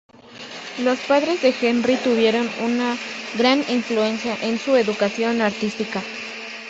Los padres de Henry tuvieron una gran influencia en su educación artística.